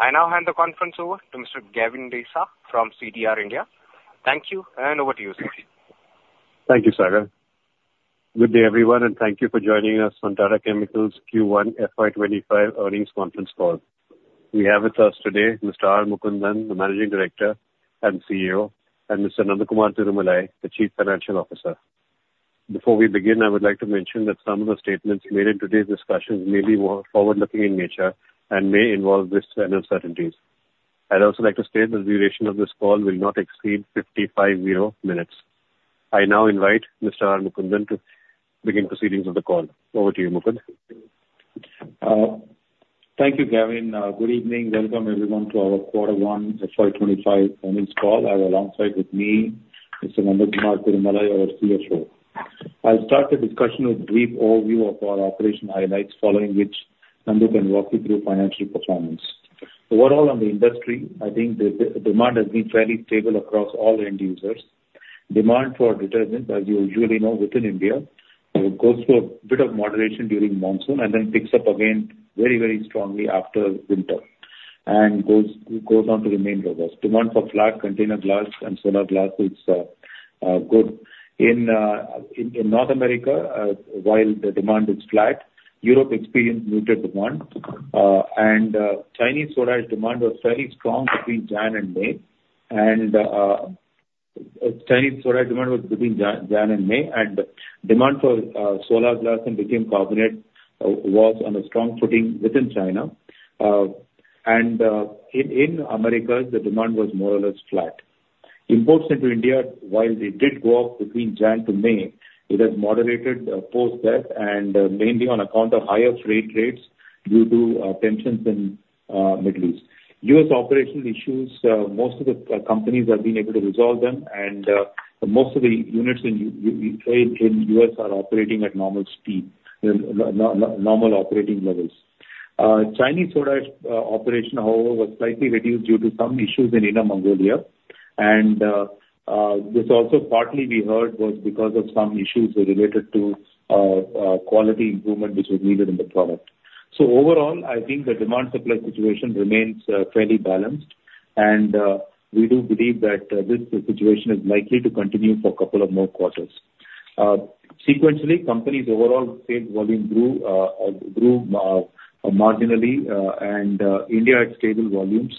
Now hand the conference over to Mr. Gavin Desa from CDR India. Thank you, and over to you, sir. Thank you, Sagar. Good day, everyone, and thank you for joining us on Tata Chemicals Q1 FY 2025 Earnings Conference Call. We have with us today Mr. R. Mukundan, the Managing Director and CEO, and Mr. Nandakumar Tirumalai, the Chief Financial Officer. Before we begin, I would like to mention that some of the statements made in today's discussion may be forward-looking in nature and may involve risks and uncertainties. I'd also like to state that the duration of this call will not exceed 55 minutes. I now invite Mr. R. Mukundan to begin proceedings of the call. Over to you, Mukundan. Thank you, Gavin. Good evening. Welcome, everyone, to our quarter one FY 2025 earnings call. I have alongside with me Mr. Nandakumar Tirumalai, our CFO. I'll start the discussion with a brief overview of our operational highlights, following which Nandakumar will walk you through financial performance. Overall, on the industry, I think the demand has been fairly stable across all end users. Demand for detergents, as you usually know, within India, goes through a bit of moderation during monsoon and then picks up again very, very strongly after winter and goes on to remain robust. Demand for flat container glass and solar glass is good. In North America, while the demand is flat, Europe experienced muted demand, and Chinese soda ash demand was fairly strong between January and May. Chinese soda demand was between January and May, and demand for solar glass and lithium carbonate was on a strong footing within China. In America, the demand was more or less flat. Imports into India, while they did go up between January to May, it has moderated post-May, and mainly on account of higher freight rates due to tensions in the Middle East. U.S. operational issues, most of the companies have been able to resolve them, and most of the units in the U.S. are operating at normal speed, normal operating levels. Chinese soda operation, however, was slightly reduced due to some issues in Inner Mongolia, and this also partly we heard was because of some issues related to quality improvement which was needed in the product. So overall, I think the demand-supply situation remains fairly balanced, and we do believe that this situation is likely to continue for a couple of more quarters. Sequentially, companies' overall sales volume grew marginally, and India had stable volumes.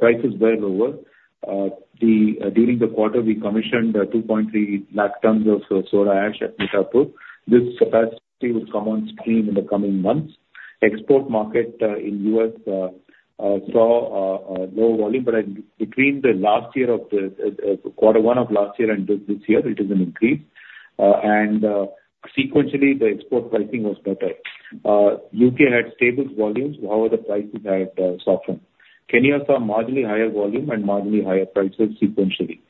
Prices were lower. During the quarter, we commissioned 230,000 tons of soda ash at Mithapur. This capacity will come on stream in the coming months. Export market in the U.S. saw low volume, but between the last year of the quarter one of last year and this year, it is an increase. Sequentially, the export pricing was better. U.K. had stable volumes. However, the prices had softened. Kenya saw marginally higher volume and marginally higher prices sequentially.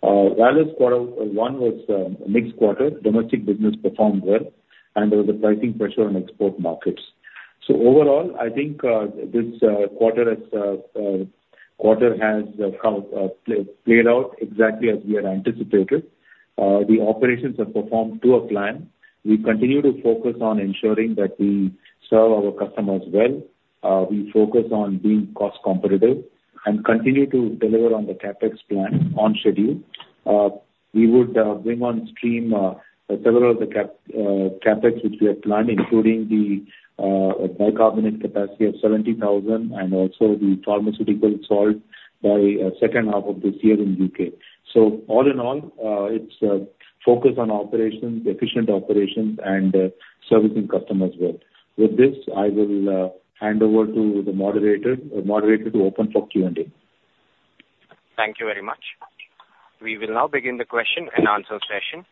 While this quarter one was a mixed quarter, domestic business performed well, and there was a pricing pressure on export markets. Overall, I think this quarter has played out exactly as we had anticipated. The operations have performed to a plan. We continue to focus on ensuring that we serve our customers well. We focus on being cost-competitive and continue to deliver on the CapEx plan on schedule. We would bring on stream several of the CapEx which we had planned, including the bicarbonate capacity of 70,000 and also the pharmaceutical salt by the second half of this year in the U.K.. So all in all, it's focus on operations, efficient operations, and servicing customers well. With this, I will hand over to the moderator to open for Q&A. Thank you very much. We will now begin the question and answer session.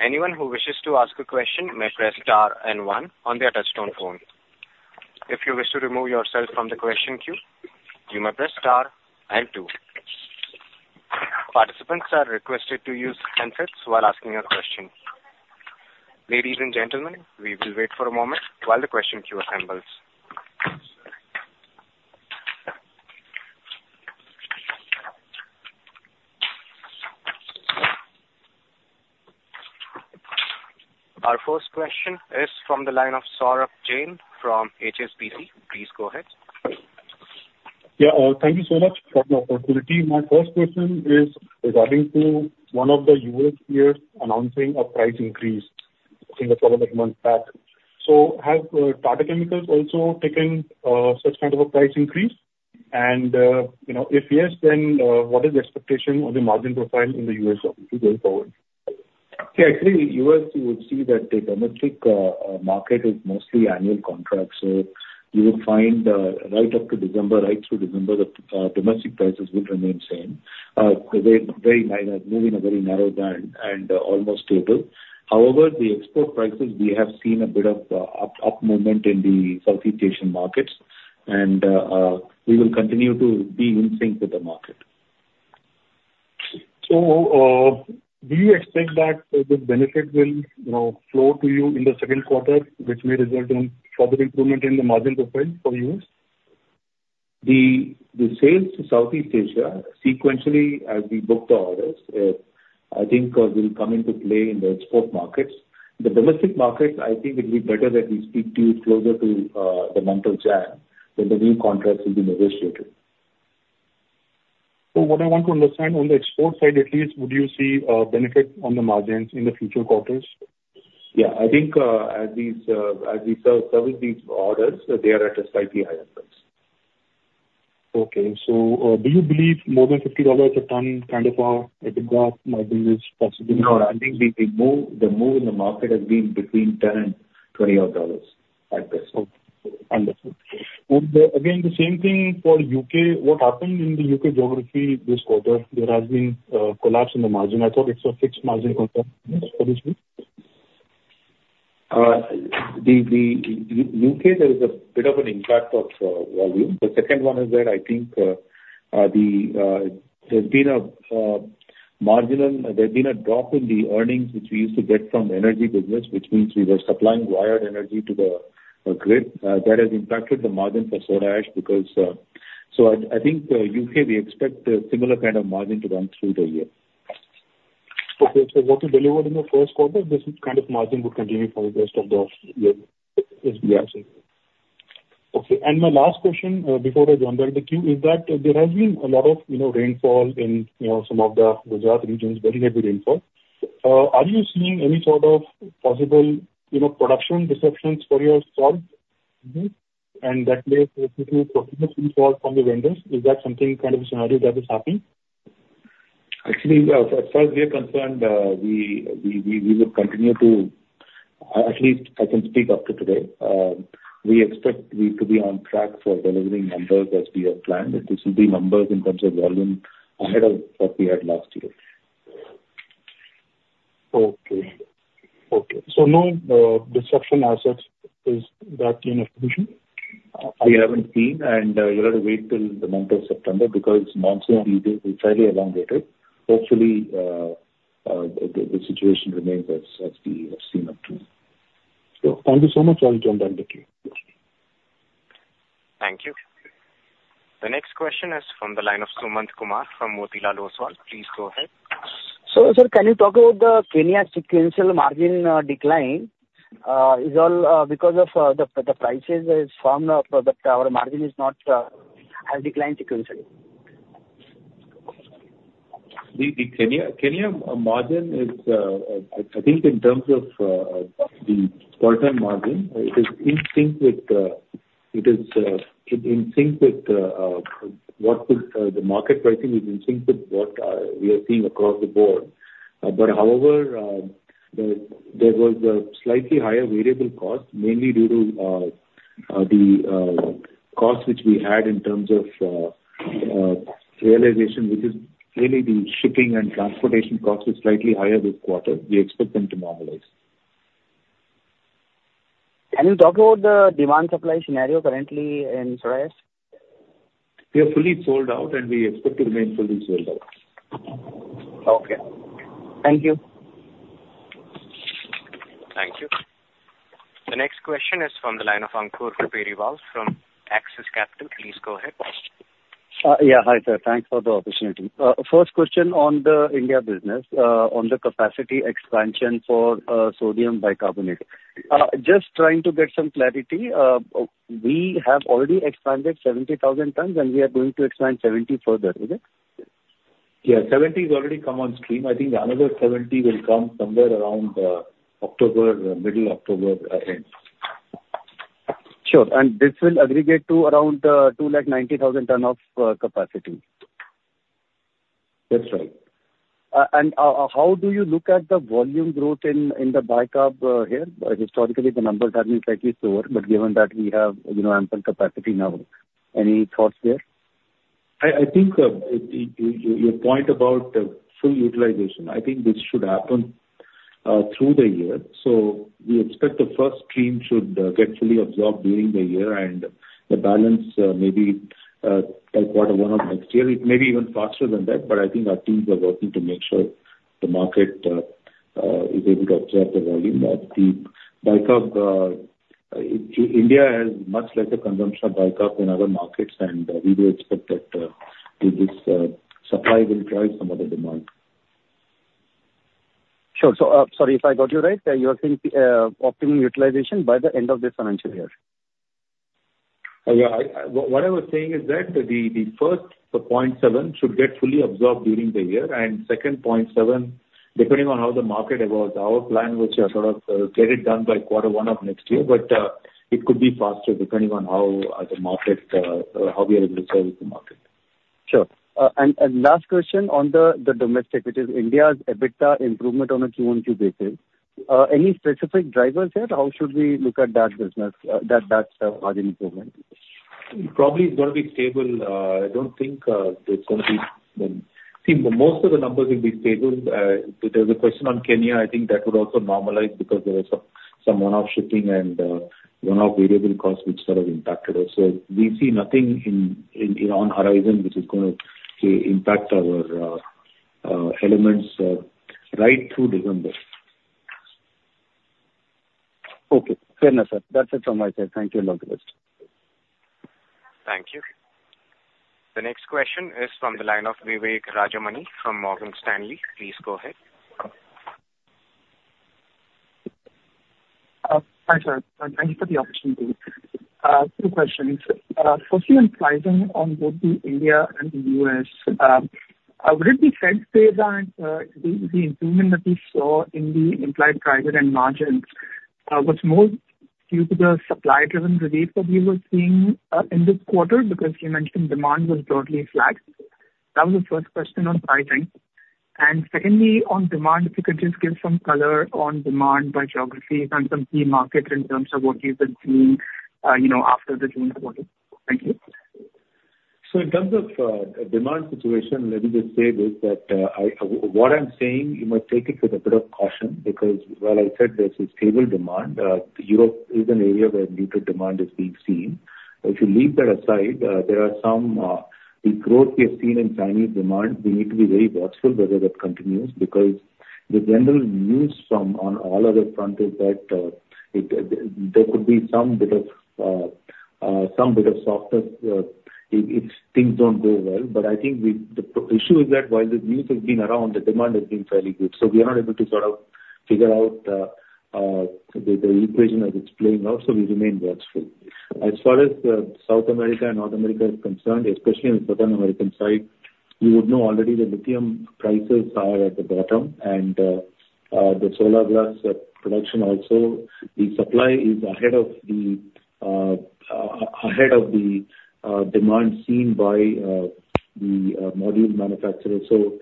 Anyone who wishes to ask a question may press star and one on their touch-tone phone. If you wish to remove yourself from the question queue, you may press star and two. Participants are requested to use handsets while asking a question. Ladies and gentlemen, we will wait for a moment while the question queue assembles. Our first question is from the line of Saurabh Jain from HSBC. Please go ahead. Yeah, thank you so much for the opportunity. My first question is regarding one of the U.S. peers announcing a price increase a few months back. Have Tata Chemicals also taken such kind of a price increase? If yes, then what is the expectation on the margin profile in the U.S. going forward? Yeah, actually, U.S. you would see that the domestic market is mostly annual contracts. So you would find right up to December, right through December, the domestic prices will remain the same. They're moving a very narrow band and almost stable. However, the export prices, we have seen a bit of up movement in the Southeast Asian markets, and we will continue to be in sync with the market. Do you expect that the benefit will flow to you in the second quarter, which may result in further improvement in the margin profile for U.S.? The sales to Southeast Asia, sequentially, as we booked the orders, I think will come into play in the export markets. The domestic markets, I think it will be better that we speak to you closer to the month of January when the new contracts will be negotiated. What I want to understand, on the export side at least, would you see a benefit on the margins in the future quarters? Yeah, I think as we service these orders, they are at a slightly higher price. Okay. So do you believe more than $50 a ton kind of a graph might be possible? No, I think the move in the market has been between $10-$20 at best. Okay. Understood. Again, the same thing for U.K. What happened in the U.K. geography this quarter? There has been a collapse in the margin. I thought it's a fixed margin contract. The U.K., there is a bit of an impact of volume. The second one is that I think there's been a marginal, there's been a drop in the earnings which we used to get from the energy business, which means we were supplying wind energy to the grid. That has impacted the margin for soda ash because so I think in the U.K., we expect a similar kind of margin to run through the year. Okay. What you delivered in the first quarter, this kind of margin would continue for the rest of the year? Yes. Okay. My last question before I join back the queue is that there has been a lot of rainfall in some of the Gujarat regions, very heavy rainfall. Are you seeing any sort of possible production disruptions for your solar? That may lead to further fall from the vendors. Is that something kind of a scenario that is happening? Actually, as far as we are concerned, we will continue to, at least I can speak up to today. We expect to be on track for delivering numbers as we have planned. It should be numbers in terms of volume ahead of what we had last year. Okay. Okay. So, no disruption as such, is that the interference? We haven't seen, and we'll have to wait till the month of September because monsoon seasons are fairly elongated. Hopefully, the situation remains as we have seen up to. Thank you so much. I'll join back the queue. Thank you. The next question is from the line of Sumant Kumar from Motilal Oswal. Please go ahead. Sir, can you talk about the Kenya sequential margin decline? Is it all because of the prices that is formed that our margin has declined sequentially? The Kenya margin is, I think, in terms of the total margin, it is in sync with what the market pricing is in sync with what we are seeing across the board. But however, there was a slightly higher variable cost, mainly due to the cost which we had in terms of realization, which is really the shipping and transportation cost is slightly higher this quarter. We expect them to normalize. Can you talk about the demand-supply scenario currently in soda ash? We are fully sold out, and we expect to remain fully sold out. Okay. Thank you. Thank you. The next question is from the line of Ankur Periwal from Axis Capital. Please go ahead. Yeah. Hi sir. Thanks for the opportunity. First question on the India business, on the capacity expansion for sodium bicarbonate. Just trying to get some clarity. We have already expanded 70,000 tons, and we are going to expand 70 further, is it? Yeah. 70 has already come on stream. I think another 70 will come somewhere around October, middle October end. Sure. And this will aggregate to around 290,000 tons of capacity? That's right. How do you look at the volume growth in the sodium bicarbonate here? Historically, the numbers have been slightly slower, but given that we have ample capacity now, any thoughts there? I think your point about full utilization, I think this should happen through the year. So we expect the first stream should get fully absorbed during the year and the balance maybe by quarter one of next year. It may be even faster than that, but I think our teams are working to make sure the market is able to absorb the volume of the sodium bicarbonate. India has much lesser consumption of sodium bicarbonate than other markets, and we do expect that this supply will drive some of the demand. Sure. So sorry if I got you right. You're saying optimum utilization by the end of this financial year? Yeah. What I was saying is that the first 0.7 should get fully absorbed during the year, and second 0.7, depending on how the market evolves. Our plan was to sort of get it done by quarter one of next year, but it could be faster depending on how we are able to service the market. Sure. Last question on the domestic, which is India's EBITDA improvement on a Q1, Q2 basis. Any specific drivers here? How should we look at that business, that margin improvement? Probably it's going to be stable. I don't think there's going to be most of the numbers will be stable. There's a question on Kenya. I think that would also normalize because there was some one-off shipping and one-off variable costs which sort of impacted us. So we see nothing on horizon which is going to impact our elements right through December. Okay. Fair enough, sir. That's it from my side. Thank you a lot. Thank you. The next question is from the line of Vivek Rajamani from Morgan Stanley. Please go ahead. Hi, sir. Thank you for the opportunity. Two questions. For Q1 pricing on both the India and the US, would it be fair to say that the improvement that we saw in the implied EBITDA and margins was more due to the supply-driven relief that we were seeing in this quarter because you mentioned demand was broadly flat? That was the first question on pricing. And secondly, on demand, if you could just give some color on demand by geography and some key markets in terms of what you've been seeing after the June quarter. Thank you. So in terms of demand situation, let me just say this that what I'm saying, you might take it with a bit of caution because while I said there's a stable demand, Europe is an area where muted demand is being seen. If you leave that aside, there are some growth we have seen in Chinese demand. We need to be very watchful whether that continues because the general news on all other fronts is that there could be some bit of softness if things don't go well. But I think the issue is that while the news has been around, the demand has been fairly good. So we are not able to sort of figure out the equation as it's playing out, so we remain watchful. As far as South America and North America is concerned, especially on the South American side, you would know already the lithium prices are at the bottom and the solar glass production also. The supply is ahead of the demand seen by the module manufacturers. So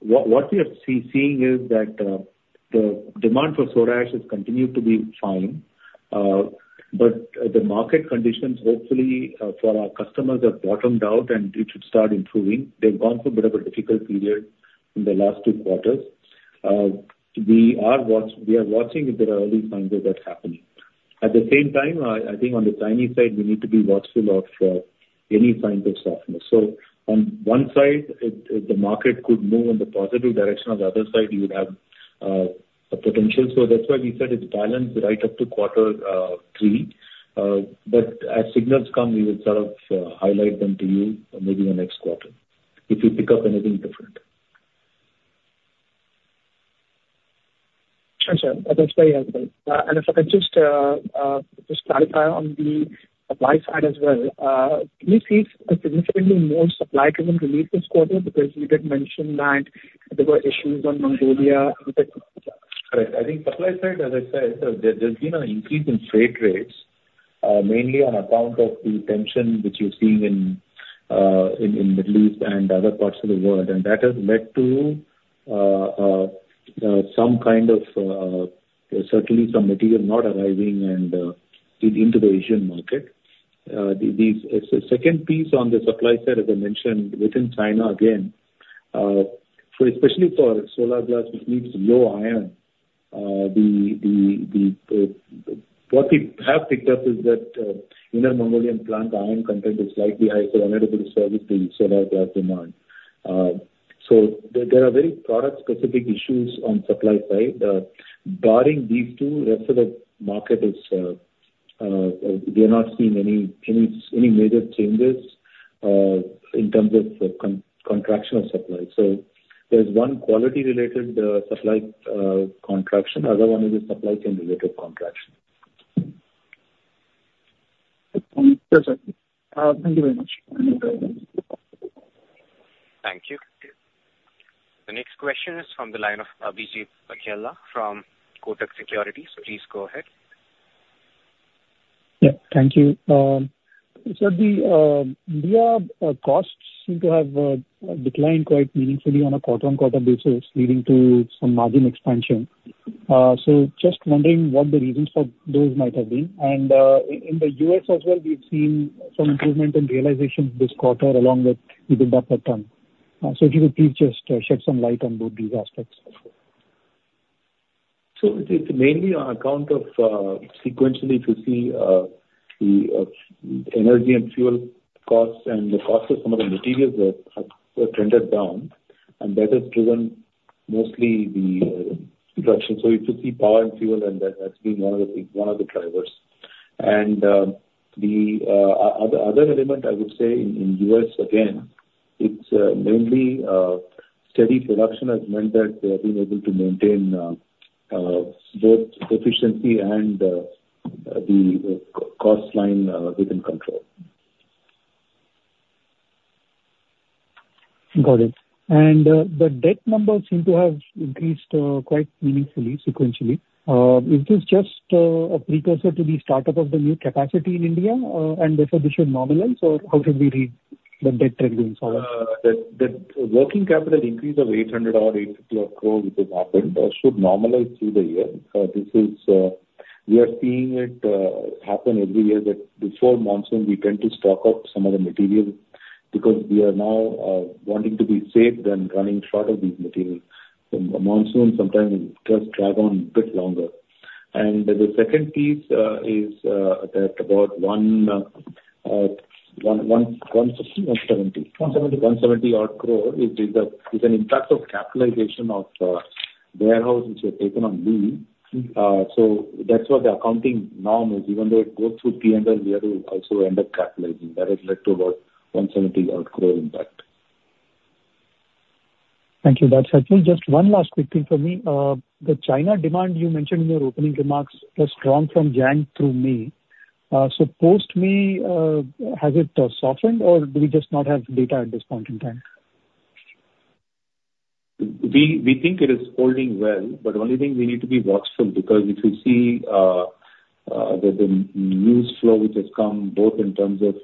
what we are seeing is that the for soda ash has continued to be fine, but the market conditions hopefully for our customers have bottomed out and it should start improving. They've gone through a bit of a difficult period in the last two quarters. We are watching if there are any signs of that happening. At the same time, I think on the Chinese side, we need to be watchful of any signs of softness. So on one side, the market could move in the positive direction. On the other side, you would have a potential. So that's why we said it's balanced right up to quarter three. But as signals come, we will sort of highlight them to you maybe in the next quarter if we pick up anything different. Sure, sir. That's very helpful. And if I could just clarify on the supply side as well, can you see a significantly more supply-driven relief this quarter because you did mention that there were issues on Inner Mongolia? Correct. I think supply side, as I said, there's been an increase in trade rates, mainly on account of the tension which you're seeing in the Middle East and other parts of the world. And that has led to some kind of certainly some material not arriving into the Asian market. The second piece on the supply side, as I mentioned, within China again, especially for solar glass, which needs low iron, what we have picked up is that Inner Mongolian plant iron content is slightly high, so unable to service the solar glass demand. So there are very product-specific issues on supply side. Barring these two, the rest of the market, we are not seeing any major changes in terms of contraction of supply. So there's one quality-related supply contraction. Another one is a supply chain-related contraction. Thank you very much. Thank you. The next question is from the line of Abhijit Akella from Kotak Securities. Please go ahead. Yeah. Thank you. So the India costs seem to have declined quite meaningfully on a quarter-over-quarter basis, leading to some margin expansion. So just wondering what the reasons for those might have been. And in the U.S. as well, we've seen some improvement in realization this quarter along with EBITDA per ton. So if you could please just shed some light on both these aspects. So it's mainly on account of sequentially to see the energy and fuel costs and the cost of some of the materials that have trended down. And that has driven mostly the production. So if you see power and fuel, then that's been one of the drivers. And the other element, I would say in the U.S., again, it's mainly steady production has meant that they have been able to maintain both efficiency and the cost line within control. Got it. And the debt numbers seem to have increased quite meaningfully sequentially. Is this just a precursor to the startup of the new capacity in India, and therefore this should normalize, or how should we read the debt trend going forward? The working capital increase of 800 crore which has happened should normalize through the year. We are seeing it happen every year that before monsoon, we tend to stock up some of the material because we are now wanting to be safe than running short of these materials. Monsoon sometimes does drag on a bit longer. The second piece is that about INR 170 crore is an impact of capitalization of warehouses which are taken on lease. That's what the accounting norm is, even though it goes through P&L, we are also end up capitalizing. That has led to about 170 crore impact. Thank you. That's helpful. Just one last quick thing for me. The China demand you mentioned in your opening remarks is strong from January through May. So post-May, has it softened, or do we just not have data at this point in time? We think it is holding well, but the only thing we need to be watchful because if you see the news flow which has come both in terms of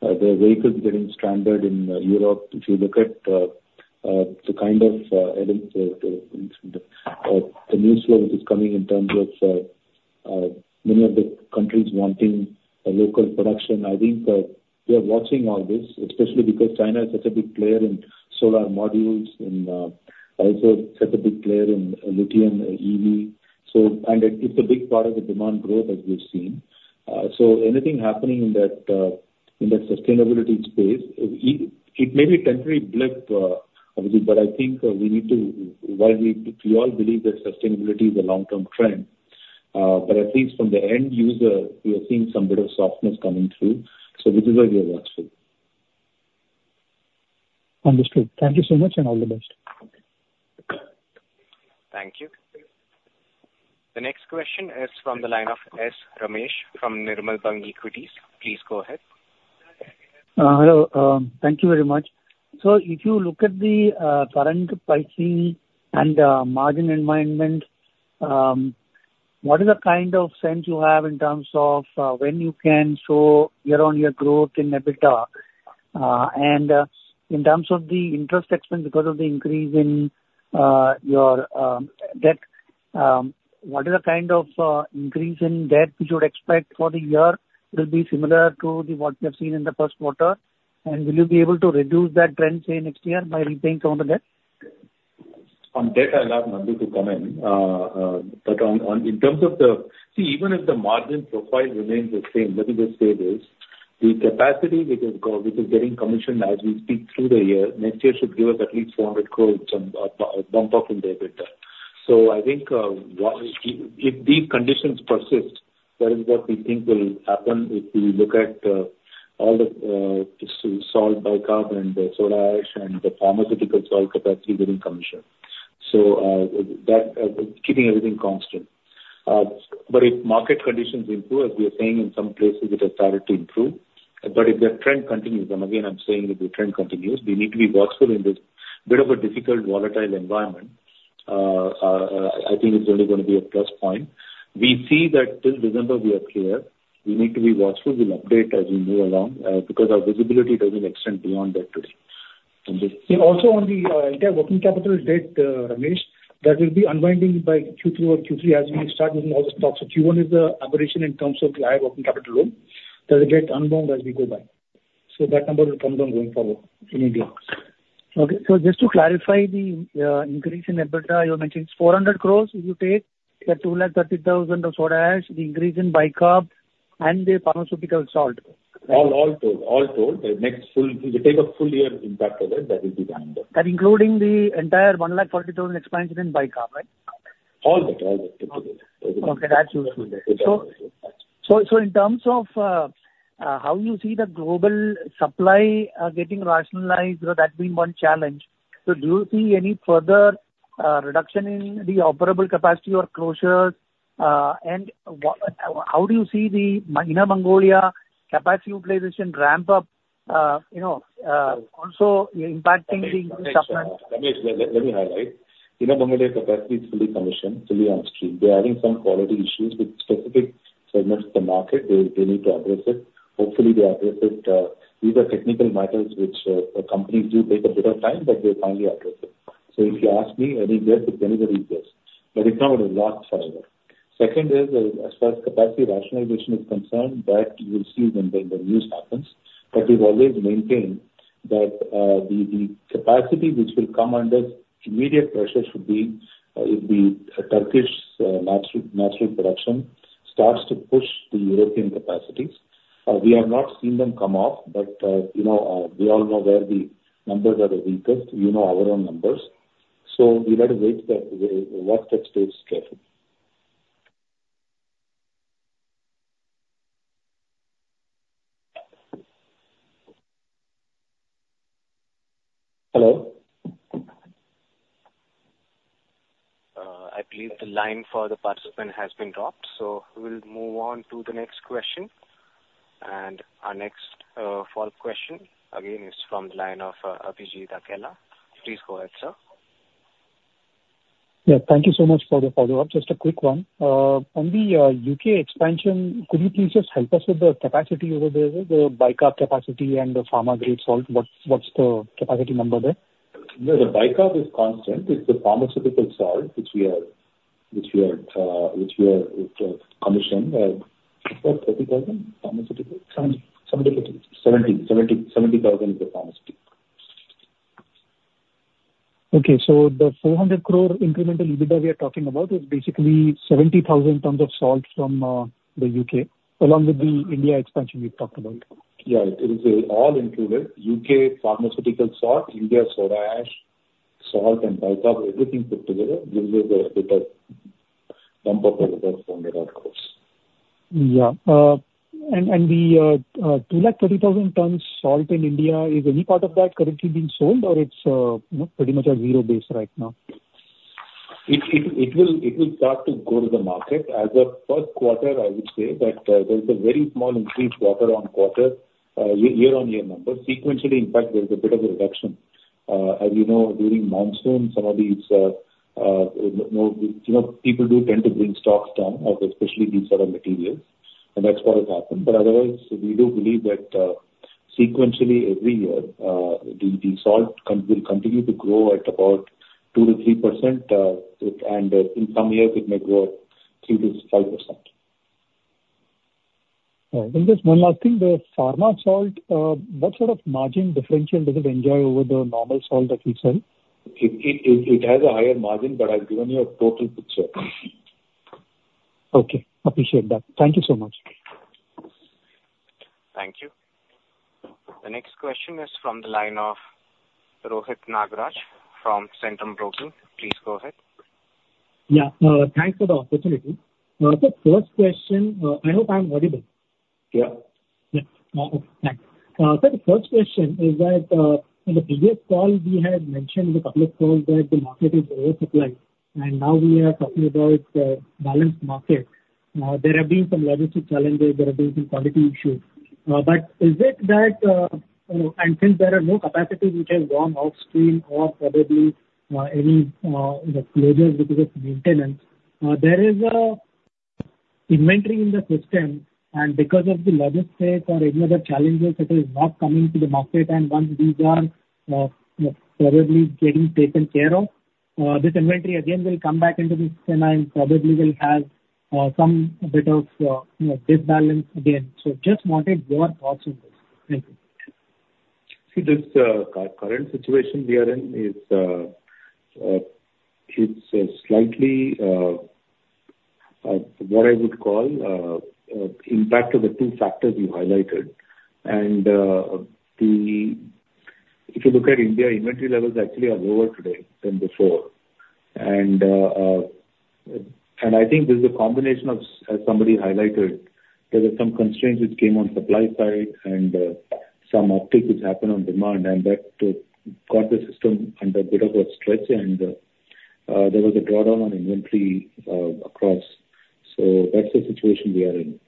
the vehicles getting stranded in Europe, if you look at the kind of news flow which is coming in terms of many of the countries wanting local production, I think we are watching all this, especially because China is such a big player in solar modules and also such a big player in lithium EV. And it's a big part of the demand growth as we've seen. So anything happening in that sustainability space, it may be a temporary blip, but I think we need to, while we all believe that sustainability is a long-term trend, but at least from the end user, we are seeing some bit of softness coming through. So this is what we are watchful. Understood. Thank you so much and all the best. Thank you. The next question is from the line of S. Ramesh from Nirmal Bang Equities. Please go ahead. Hello. Thank you very much. So if you look at the current pricing and margin environment, what is the kind of sense you have in terms of when you can show year-on-year growth in EBITDA? And in terms of the interest expense because of the increase in your debt, what is the kind of increase in debt which you would expect for the year will be similar to what we have seen in the first quarter? And will you be able to reduce that trend, say, next year by repaying some of the debt? On debt, I'll have Nandu to come in. But in terms of the CapEx, even if the margin profile remains the same, let me just say this. The capacity which is getting commissioned as we speak through the year, next year should give us at least 400 crore bump up in the EBITDA. So I think if these conditions persist, that is what we think will happen if we look at all the sodium bicarbonate the soda ash and the pharmaceutical salt capacity getting commissioned. So keeping everything constant. But if market conditions improve, as we are saying, in some places it has started to improve. But if the trend continues, and again, I'm saying if the trend continues, we need to be watchful in this bit of a difficult volatile environment. I think it's only going to be a plus point. We see that till December we are clear. We need to be watchful. We'll update as we move along because our visibility doesn't extend beyond that today. Yeah. Also on the entire working capital debt, Ramesh, that will be unwinding by Q2 or Q3 as we start using all the stocks. So Q1 is the operation in terms of the higher working capital load. That will get unwound as we go by. So that number will come down going forward in India. Okay. So just to clarify the increase in EBITDA, you mentioned it's 400 crore if you take the of soda ash, the increase in sodium bicarbonate, and the pharmaceutical salt. All told. All told. If you take a full year impact of it, that will be the number. That including the entire 140,000 expansion in sodium bicarbonate, right? All that, all that. Okay. That's useful. So in terms of how you see the global supply getting rationalized, that being one challenge. So do you see any further reduction in the operable capacity or closures? And how do you see the Inner Mongolia capacity utilization ramp up also impacting the softness? Ramesh, let me highlight. Inner Mongolia capacity is fully commissioned, fully on stream. They're having some quality issues with specific segments of the market. They need to address it. Hopefully, they address it. These are technical matters which companies do take a bit of time, but they'll finally address it. So if you ask me, any guess, it's anybody's guess. But it's not going to last forever. Second is, as far as capacity rationalization is concerned, that you will see when the news happens. But we've always maintained that the capacity which will come under immediate pressure should be if the Turkish natural production starts to push the European capacities. We have not seen them come off, but we all know where the numbers are the weakest. We know our own numbers. So we've had to wait and watch that stays careful. Hello? I believe the line for the participant has been dropped. So we'll move on to the next question. Our next follow-up question, again, is from the line of Abhijit Akella. Please go ahead, sir. Yeah. Thank you so much for the follow-up. Just a quick one. On the U.K. expansion, could you please just help us with the capacity over there, the bicarbonate capacity and the pharma-grade salt? What's the capacity number there? The sodium bicarbonate is constant. It's the pharmaceutical salt which we are commissioned. What, 30,000 pharmaceutical? 70,000. 70,000 is the pharmaceutical. Okay. So the 400 crore incremental EBITDA we are talking about is basically 70,000 tons of salt from the U.K. along with the India expansion we've talked about. Yeah. It is all included. U.K. pharmaceutical india soda ash , salt and sodium bicarbonate, everything put together gives us a bit of bump up over INR 400 crore. Yeah. And the 230,000 tons salt in India, is any part of that currently being sold, or it's pretty much a zero base right now? It will start to go to the market. As of first quarter, I would say that there's a very small increase quarter on quarter, year-on-year number. Sequentially, in fact, there's a bit of a reduction. As you know, during monsoon, some of these people do tend to bring stocks down, especially these sort of materials. That's what has happened. Otherwise, we do believe that sequentially every year, the salt will continue to grow at about 2%-3%. In some years, it may grow at 3%-5%. All right. Just one last thing. The pharma salt, what sort of margin differential does it enjoy over the normal salt that we sell? It has a higher margin, but I've given you a total picture. Okay. Appreciate that. Thank you so much. Thank you. The next question is from the line of Rohit Nagraj from Centrum Broking. Please go ahead. Yeah. Thanks for the opportunity. So first question, I hope I'm audible. Yeah. Okay. Thanks. So the first question is that in the previous call, we had mentioned in a couple of calls that the market is oversupplied. Now we are talking about the balanced market. There have been some logistical challenges. There have been some quality issues. But is it that, and since there are no capacities which have gone off-stream or probably any closures because of maintenance, there is inventory in the system, and because of the logistics or any other challenges, it is not coming to the market. Once these are probably getting taken care of, this inventory again will come back into the system and probably will have some bit of imbalance again. So just wanted your thoughts on this. Thank you. See, this current situation we are in, it's slightly what I would call impact of the two factors you highlighted. And if you look at India, inventory levels actually are lower today than before. And I think this is a combination of, as somebody highlighted, there were some constraints which came on supply side and some uptick which happened on demand, and that got the system under a bit of a stretch. And there was a drawdown on inventory across. So that's the situation we are in.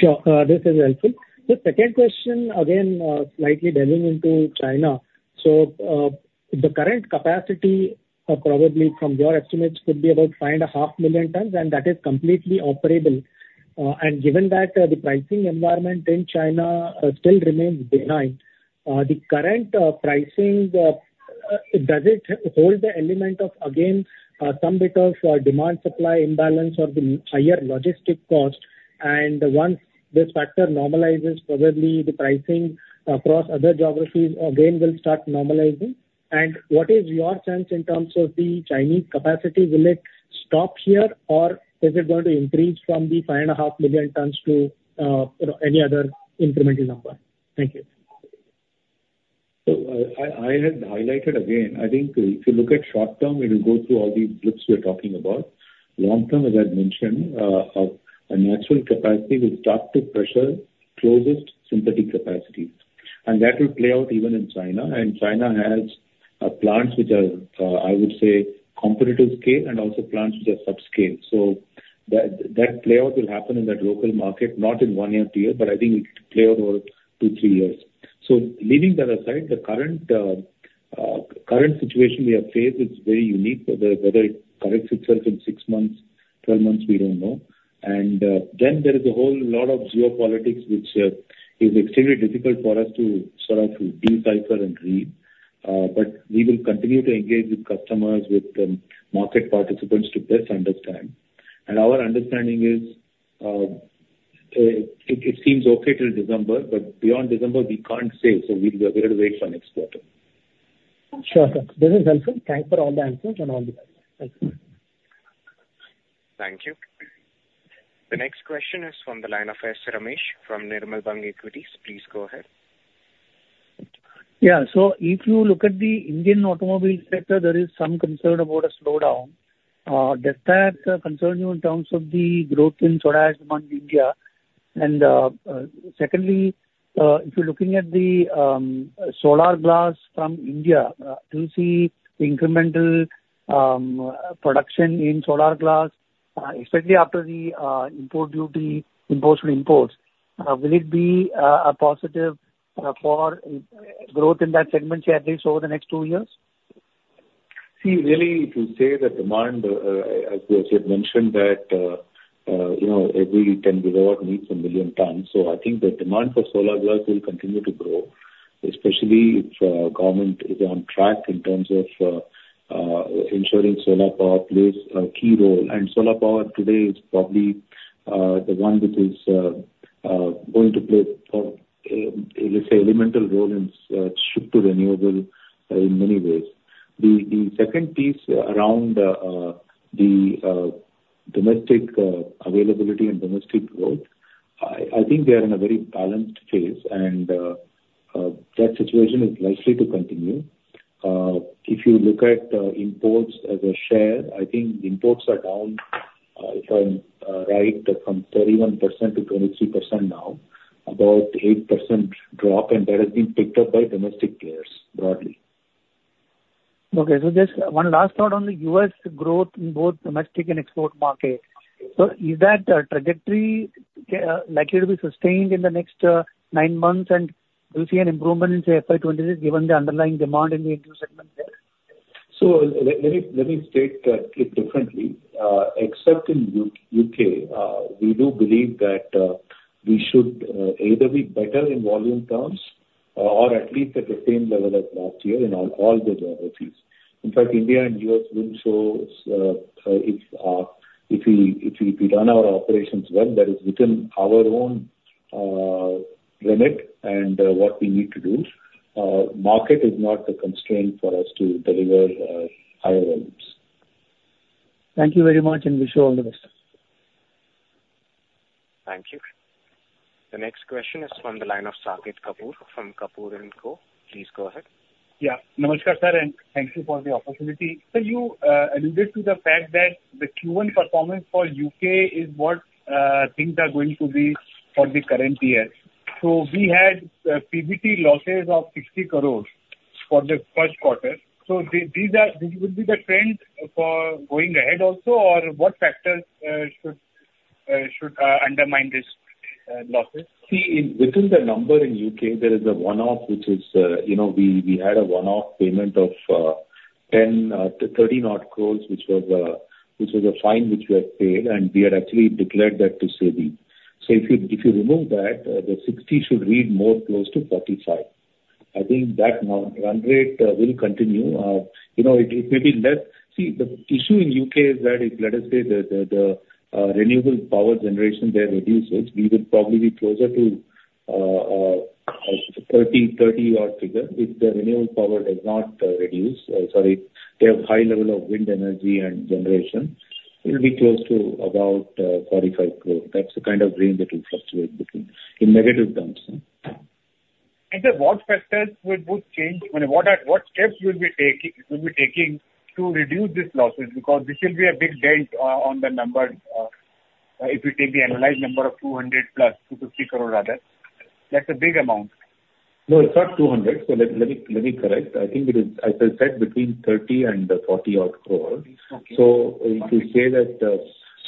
Sure. This is helpful. The second question, again, slightly delving into China. So the current capacity probably from your estimates could be about 5.5 million tons, and that is completely operable. And given that the pricing environment in China still remains benign, the current pricing, does it hold the element of, again, some bit of demand-supply imbalance or the higher logistic cost? And once this factor normalizes, probably the pricing across other geographies again will start normalizing. And what is your sense in terms of the Chinese capacity? Will it stop here, or is it going to increase from the 5.5 million tons to any other incremental number? Thank you. So I had highlighted again, I think if you look at short-term, it will go through all these blips we're talking about. Long-term, as I've mentioned, a natural capacity will start to pressure costliest synthetic capacities. That will play out even in China. China has plants which are, I would say, competitive scale and also plants which are subscale. That playout will happen in that local market, not in one year to year, but I think it will play out over two, three years. Leaving that aside, the current situation we have faced is very unique. Whether it corrects itself in six months, 12 months, we don't know. Then there is a whole lot of geopolitics which is extremely difficult for us to sort of decipher and read. We will continue to engage with customers, with market participants to best understand. Our understanding is it seems okay till December, but beyond December, we can't say. We've got to wait for next quarter. Sure. This is helpful. Thanks for all the answers and all the questions. Thank you. Thank you. The next question is from the line of S. Ramesh from Nirmal Bang Equities. Please go ahead. Yeah. So if you look at the Indian automobile sector, there is some concern about a slowdown. Does that concern you in terms of the in soda ash in India? And secondly, if you're looking at the solar glass from India, do you see incremental production in solar glass, especially after the import duty, imposed on imports? Will it be a positive for growth in that segment, at least over the next two years? See, really, to say the demand, as you had mentioned, that every 10 GW meets 1 million tons. So I think the demand for solar glass will continue to grow, especially if government is on track in terms of ensuring solar power plays a key role. And solar power today is probably the one which is going to play, let's say, an elemental role in shift to renewable in many ways. The second piece around the domestic availability and domestic growth, I think we are in a very balanced phase, and that situation is likely to continue. If you look at imports as a share, I think imports are down, if I'm right, from 31%-23% now, about an 8% drop, and that has been picked up by domestic players broadly. Okay. So just one last thought on the U.S. growth in both domestic and export market. So is that trajectory likely to be sustained in the next nine months, and do you see an improvement in, say, FY 2026 given the underlying demand in the industry segment there? Let me state it differently. Except in U.K., we do believe that we should either be better in volume terms or at least at the same level as last year in all the geographies. In fact, India and U.S. will show if we run our operations well, that is within our own limit and what we need to do. Market is not the constraint for us to deliver higher volumes. Thank you very much, and wish you all the best. Thank you. The next question is from the line of Saket Kapoor from Kapoor & Co. Please go ahead. Yeah. Namaskar sir, and thank you for the opportunity. So you alluded to the fact that the Q1 performance for U.K. is what things are going to be for the current year. So we had PBT losses of 60 crore for the first quarter. So this will be the trend for going ahead also, or what factors should undermine these losses? See, within the number in the U.K., there is a one-off which is we had a one-off payment of 10 crores-13 odd crores, which was a fine which we had paid, and we had actually declared that to SEBI. So if you remove that, the 60 crores should read more close to 45 crores. I think that run rate will continue. It may be less. See, the issue in the U.K. is that, let us say, the renewable power generation there reduces, we would probably be closer to a INR 30crore, 30 odd figure if the renewable power does not reduce. Sorry, they have a high level of wind energy and generation. It will be close to about 45 crores. That's the kind of range that will fluctuate between in negative terms. What factors would change, what steps will we be taking to reduce these losses? Because this will be a big dent on the number if we take the analyzed number of 200+, 250 crores rather. That's a big amount. No, it's not 200. So let me correct. I think it is, as I said, between 30 crores and 40 odd crores. So to say that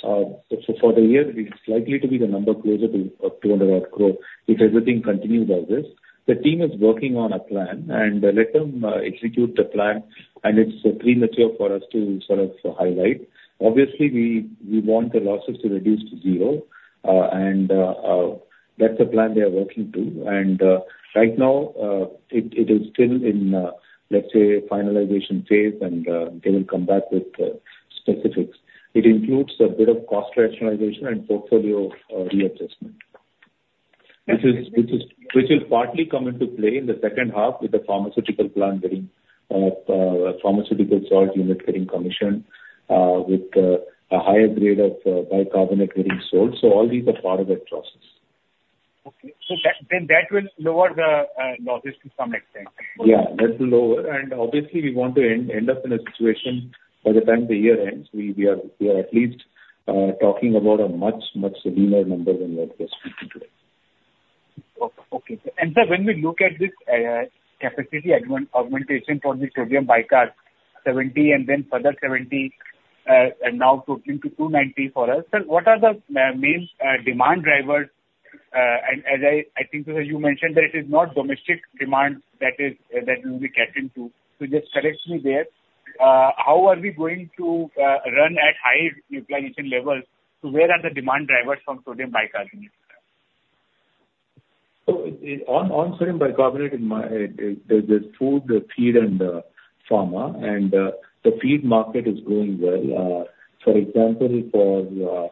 for the year, it is likely to be the number closer to 200 odd crores if everything continues as is. The team is working on a plan, and let them execute the plan, and it's premature for us to sort of highlight. Obviously, we want the losses to reduce to zero, and that's the plan they are working to. And right now, it is still in, let's say, finalization phase, and they will come back with specifics. It includes a bit of cost rationalization and portfolio readjustment, which will partly come into play in the second half with the pharmaceutical plant getting pharmaceutical salt units getting commissioned with a higher grade of bicarbonate getting sold. So all these are part of that process. Okay. So then that will lower the losses to some extent. Yeah. That will lower. And obviously, we want to end up in a situation by the time the year ends, we are at least talking about a much, much steadier number than what we are speaking today. Okay. Sir, when we look at this capacity augmentation for the sodium bicarb, 70,000 and then further 70,000 and now totaling to 290,000 for us, sir, what are the main demand drivers? And as I think, sir, you mentioned that it is not domestic demand that will be kept into. So just correct me there. How are we going to run at high implementation levels? So where are the demand drivers from sodium bicarbonate? So on sodium bicarbonate, there's food, the feed, and pharma. And the feed market is growing well. For example, for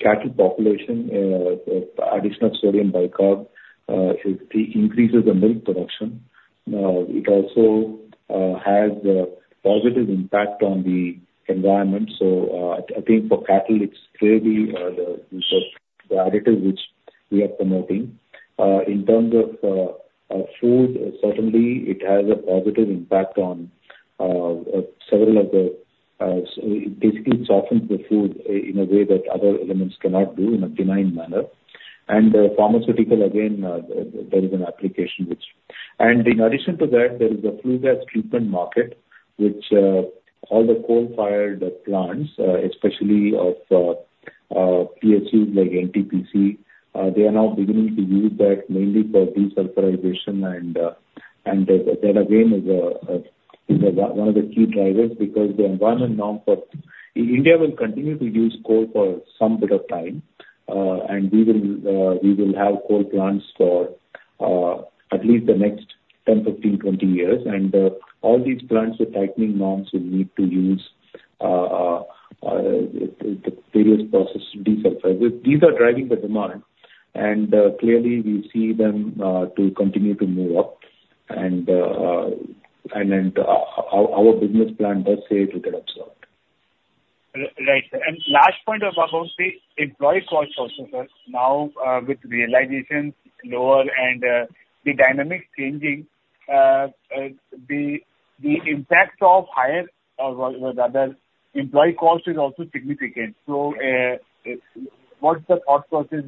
cattle population, additional sodium bicarb increases the milk production. It also has a positive impact on the environment. So I think for cattle, it's clearly the additive which we are promoting. In terms of food, certainly, it has a positive impact on several of the basically, it softens the food in a way that other elements cannot do in a benign manner. And pharmaceutical, again, there is an application which. And in addition to that, there is a flue gas treatment market, which all the coal-fired plants, especially of PSUs like NTPC, they are now beginning to use that mainly for desulfurization. That, again, is one of the key drivers because the environment now for India will continue to use coal for some bit of time, and we will have coal plants for at least the next 10, 15, 20 years. All these plants with tightening norms will need to use the various processes to desulfurize. These are driving the demand, and clearly, we see them to continue to move up. Our business plan does say it will get absorbed. Right. And last point about the employee cost, sir, now with realizations lower and the dynamic changing, the impact of higher or rather employee cost is also significant. So what's the thought process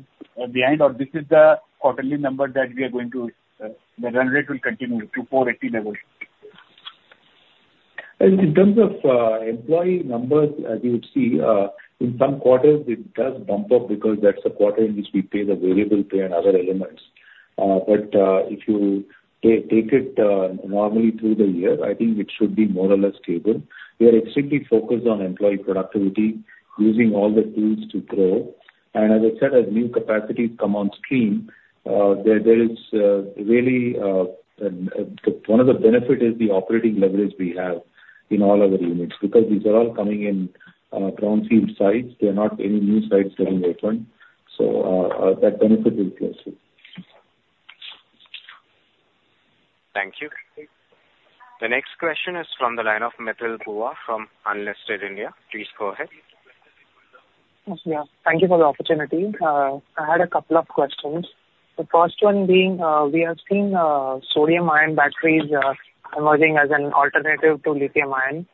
behind, or this is the quarterly number that we are going to the run rate will continue to 480 level? In terms of employee numbers, as you would see, in some quarters, it does bump up because that's a quarter in which we pay the variable pay and other elements. But if you take it normally through the year, I think it should be more or less stable. We are extremely focused on employee productivity, using all the tools to grow. As I said, as new capacities come on stream, there is really one of the benefits is the operating leverage we have in all of our units because these are all coming in brownfield sites. They are not any new sites getting opened. That benefit is closer. Thank you. The next question is from the line of Mithil Bhuva from Unlisted India. Please go ahead. Thank you for the opportunity. I had a couple of questions. The first one being, we have seen sodium-ion batteries emerging as an alternative to lithium-ion.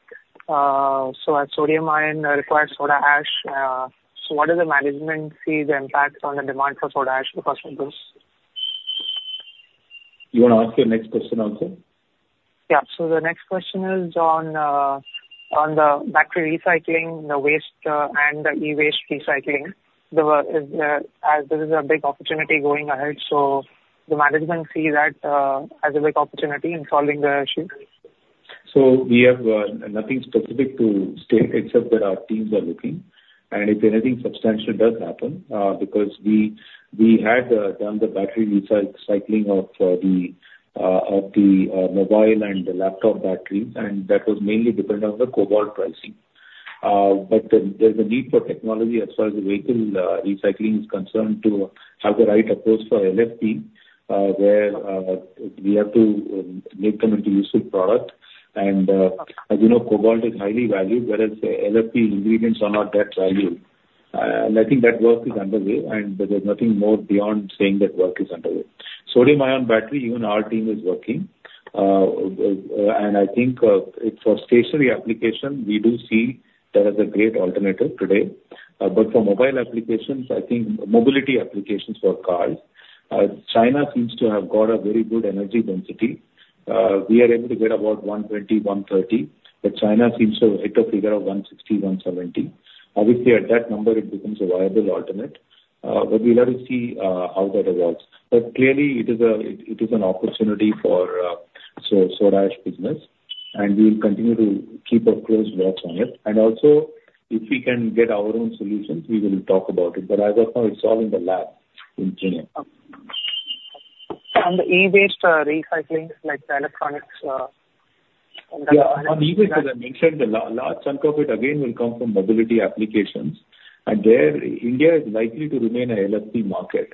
So as sodium-ion requires soda ash. So what does the management see the impact on the for soda ash because of this? You want to ask your next question also? Yeah. The next question is on the battery recycling, the waste, and the e-waste recycling. As this is a big opportunity going ahead, so does the management see that as a big opportunity in solving the issue? So we have nothing specific to state except that our teams are looking. And if anything substantial does happen because we had done the battery recycling of the mobile and the laptop batteries, and that was mainly dependent on the cobalt pricing. But there's a need for technology as far as the vehicle recycling is concerned to have the right approach for LFP, where we have to make them into useful product. And as you know, cobalt is highly valued, whereas LFP ingredients are not that valued. And I think that work is underway, and there's nothing more beyond saying that work is underway. Sodium-ion battery, even our team is working. And I think for stationary application, we do see that as a great alternative today. But for mobile applications, I think mobility applications for cars, China seems to have got a very good energy density. We are able to get about 120, 130, but China seems to hit a figure of 160, 170. Obviously, at that number, it becomes a viable alternate. But we'll have to see how that evolves. But clearly, it is an opportunity soda ash business, and we will continue to keep a close watch on it. And also, if we can get our own solutions, we will talk about it. But as of now, it's all in the lab in Kenya. The e-waste recycling, like the electronics? Yeah. On e-waste, as I mentioned, a large chunk of it, again, will come from mobility applications. And there, India is likely to remain an LFP market.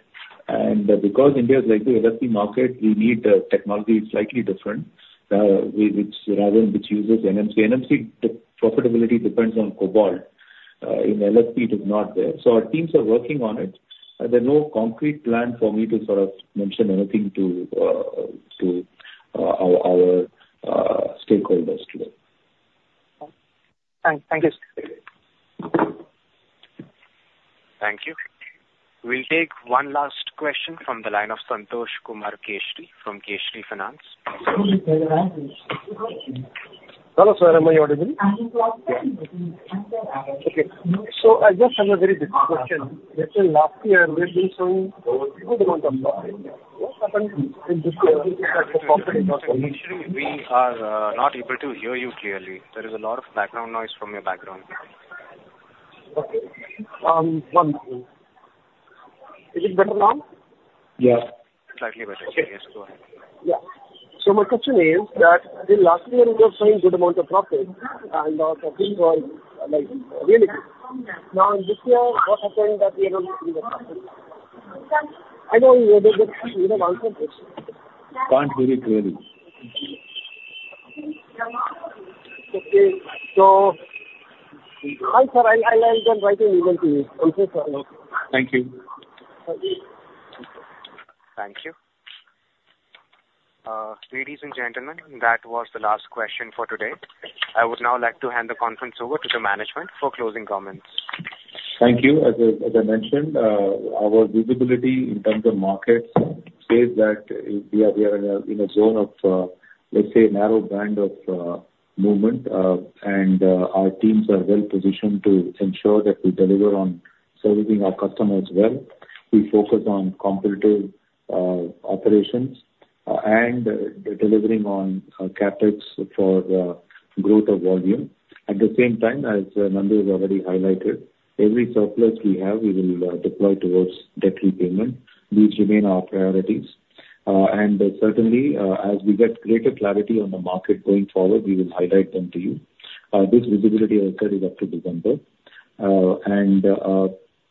And because India is likely an LFP market, we need technology slightly different, which uses NMC. NMC profitability depends on cobalt. In LFP, it is not there. So our teams are working on it. There's no concrete plan for me to sort of mention anything to our stakeholders today. Thank you. Thank you. We'll take one last question from the line of Santosh Kumar Kesari from Kesari Finance. Hello, sir. Am I audible? Okay. So I just have a very quick question. Last year, we've been showing a good amount of profit. What happened in this year that the profit is not going? Actually, we are not able to hear you clearly. There is a lot of background noise from your background. Okay. Is it better now? Yeah. Slightly better. Yes, go ahead. Yeah. My question is that last year, we were showing a good amount of profit, and our profit was really good. Now, this year, what happened that we are not seeing the profit? I know you have answered this. Can't hear you clearly. Okay. So, hi, sir. I'll send it in writing to you. I'm so sorry. Thank you. Thank you. Ladies and gentlemen, that was the last question for today. I would now like to hand the conference over to the management for closing comments. Thank you. As I mentioned, our visibility in terms of markets says that we are in a zone of, let's say, narrow band of movement, and our teams are well positioned to ensure that we deliver on servicing our customers well. We focus on competitive operations and delivering on CapEx for growth of volume. At the same time, as Nandakumar already highlighted, every surplus we have, we will deploy towards debt repayment. These remain our priorities. Certainly, as we get greater clarity on the market going forward, we will highlight them to you. This visibility, as I said, is up to December.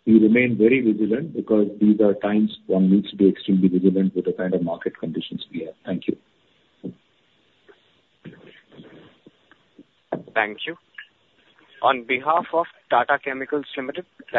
We remain very vigilant because these are times one needs to be extremely vigilant with the kind of market conditions we have. Thank you. Thank you. On behalf of Tata Chemicals Limited.